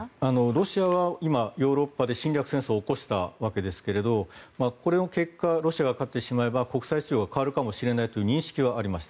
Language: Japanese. ロシアは今ヨーロッパで侵略戦争を起こしたわけですけどこの結果、ロシアが勝てば国際秩序が変わるかもしれないという認識はあります。